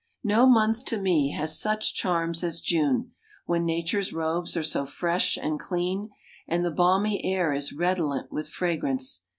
No month to me has such charms as June, when nature's robes are so fresh and clean, and the balmy air is redolent with fragrance.